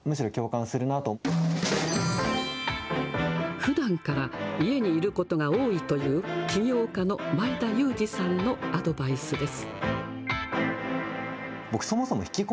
ふだんから家にいることが多いという起業家の前田裕二さんのアドバイスです。